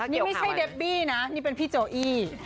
นี่ไม่ใช่เดบบี้นะนี่เป็นพี่โจอี้